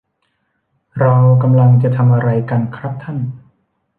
เรากำลังจะทำอะไรกันครับท่าน